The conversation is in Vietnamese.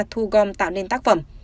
thu gom tạo nên tác phẩm